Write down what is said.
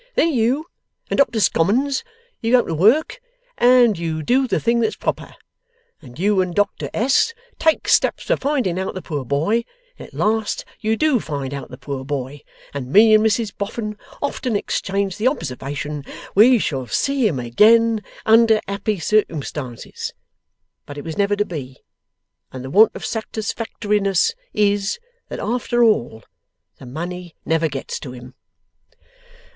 Then you and Doctor Scommons, you go to work, and you do the thing that's proper, and you and Doctor S. take steps for finding out the poor boy, and at last you do find out the poor boy, and me and Mrs Boffin often exchange the observation, "We shall see him again, under happy circumstances." But it was never to be; and the want of satisfactoriness is, that after all the money never gets to him.